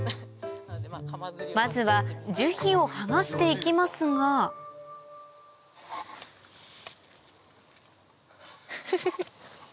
まずは樹皮を剥がして行きますがフフフ。